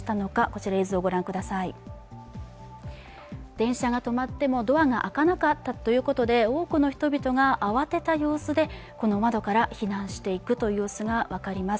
電車が止まってもドアが開かなかったということで多くの人々が慌てた様子で窓から避難していくという様子が分かります。